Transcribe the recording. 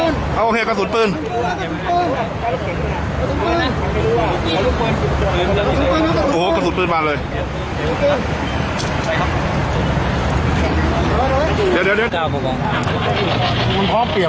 องค์เด่นสินค้าเดินเทพะส่วนแบบนี้ตรงนั้นก็คอยเปิดรถของพิษกาสูดปืน